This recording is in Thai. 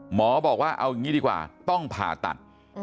หมอบอกว่าเอาอย่างนี้ดีกว่าต้องผ่าตัด